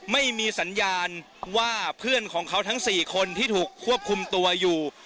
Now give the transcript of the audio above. ไม่มีสัญญาณว่าเพื่อนของเขาทั้ง๔คนที่ถูกควบคุมตัวอยู่